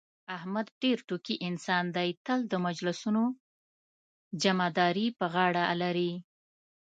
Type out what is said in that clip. احمد ډېر ټوکي انسان دی، تل د مجلسونو جمعه داري په غاړه لري.